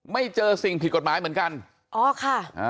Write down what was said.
ไม่เจอสิ่งผิดกฎหมายเหมือนกันอ๋อค่ะอ่า